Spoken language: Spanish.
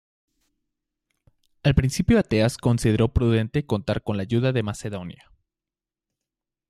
Al principio Ateas consideró prudente contar con la ayuda de Macedonia.